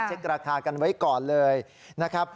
เช็คราคากันไว้ก่อนเลยนะครับ